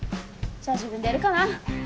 じゃあ自分でやるかな。